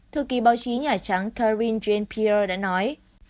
thư ký báo chí nhà trắng karine jean pierre đã nói